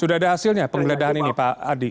sudah ada hasilnya penggeledahan ini pak adi